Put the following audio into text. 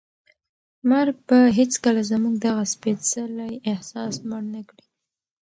مرګ به هیڅکله زموږ دغه سپېڅلی احساس مړ نه کړي.